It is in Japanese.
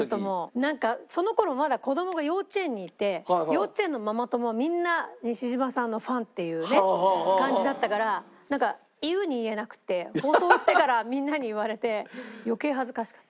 なんかその頃まだ子供が幼稚園にいて幼稚園のママ友はみんな西島さんのファンっていうね感じだったからなんか言うに言えなくて放送してからみんなに言われて余計恥ずかしかった。